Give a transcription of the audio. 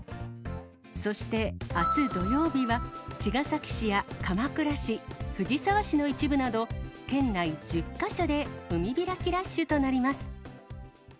そしてあす土曜日は、茅ヶ崎市や鎌倉市、藤沢市の一部など、県内１０か所で海開きラッシュとなります。